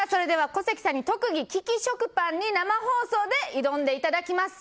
小関さんに特技、利き食パンに生放送で挑んでいただきます。